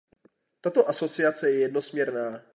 Tato asociace je jednosměrná.